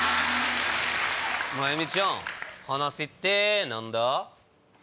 マユミちゃん話って何だ？